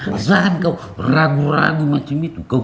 bukan kau ragu ragu macem itu